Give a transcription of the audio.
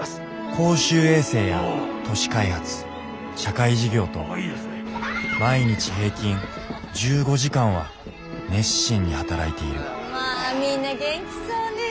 公衆衛生や都市開発社会事業と毎日平均１５時間は熱心に働いているまぁみんな元気そうねぇ。